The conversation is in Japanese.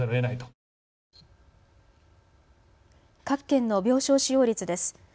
各県の病床使用率です。